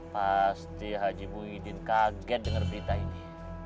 pasti haji muhyiddin kaget dengar berita ini